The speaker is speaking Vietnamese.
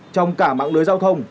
trong cả mạng lưới giao thông